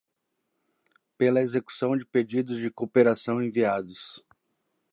pela execução de pedidos de cooperação enviados